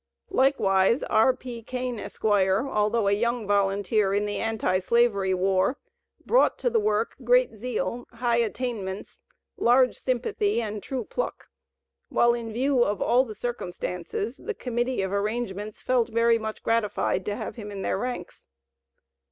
Likewise, R.P. Kane, Esq., although a young volunteer in the anti slavery war, brought to the work great zeal, high attainments, large sympathy and true pluck, while, in view of all the circumstances, the committee of arrangements felt very much gratified to have him in their ranks.